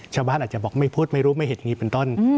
ชาวบ้านอาจจะบอกไม่พูดไม่รู้ไม่เห็นอย่างนี้เป็นต้น